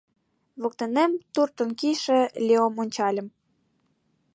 Воктенем туртын кийыше Леом ончальым.